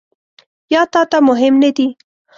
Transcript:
یا تا ته مهم نه دي ؟